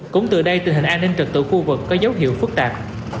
cũng từ đây tình hình an ninh trật tự khu vực có dấu hiệu phức tạp